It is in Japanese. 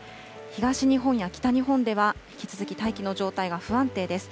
東日本や北日本では、引き続き大気の状態が不安定です。